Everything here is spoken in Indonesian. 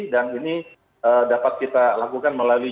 dan ini dapat kita lakukan melalui